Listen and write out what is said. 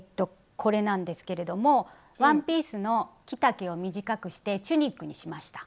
これなんですけれどもワンピースの着丈を短くしてチュニックにしました。